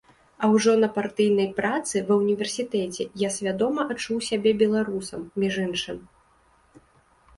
А ўжо на партыйнай працы, ва ўніверсітэце, я свядома адчуў сябе беларусам, між іншым.